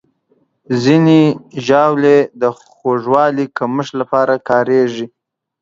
ځینې ژاولې د خوږوالي کمښت لپاره کارېږي.